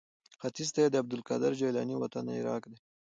ختیځ ته یې د عبدالقادر جیلاني وطن عراق دی.